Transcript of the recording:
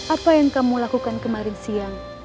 apa yang kamu lakukan kemarin siang